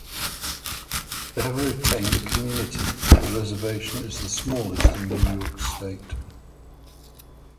They have retained a community; the reservation is the smallest in New York State.